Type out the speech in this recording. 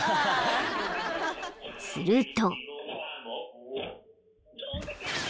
［すると］